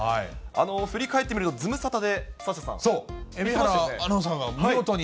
振り返ってみるとズムサタでサッシャさん、言ってましたよね。